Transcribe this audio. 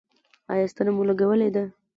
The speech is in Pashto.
ایا ستنه مو لګولې ده؟